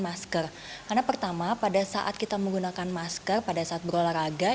masker karena pertama pada saat kita menggunakan masker pada saat berolahraga